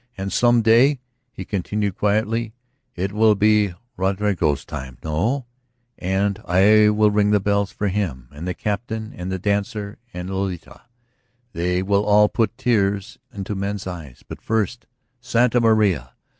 "And some day," he continued quietly, "it will be Roderico's time, no? And I will ring the bells for him, and the Captain and the Dancer and Lolita, they will all put tears into men's eyes. But first, Santa Maria!